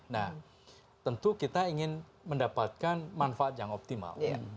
nah tentu kita ingin mendapatkan manfaat yang optimal